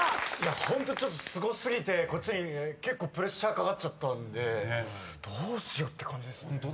ホントすご過ぎてこっちに結構プレッシャーかかっちゃったんでどうしようって感じですね。